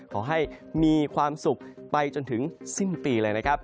ขอให้มีความสุขไปจนถึงสิ้นปีเลยนะครับ